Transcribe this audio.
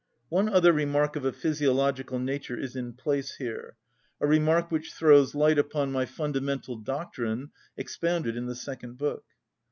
One other remark of a physiological nature is in place here, a remark which throws light upon my fundamental doctrine expounded in the second book.